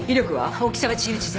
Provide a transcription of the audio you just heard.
大きさは自由自在。